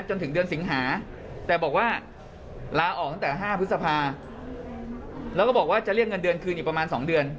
จนถึงเดือนสิงหาแต่บอกว่าลาออกตั้งแต่๕พฤษภาแล้วก็บอกว่าจะเรียกเงินเดือนคืนอีกประมาณ๒เดือน